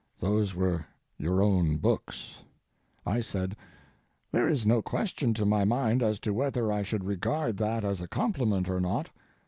Those were your own books." I said: "There is no question to my mind as to whether I should regard that as a compliment or not.